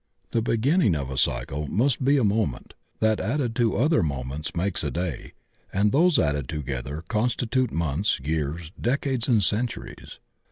The beginning of a cycle must be a mo ment, that added to other moments makes a day, and those added together constitute months, years, decades and centuries.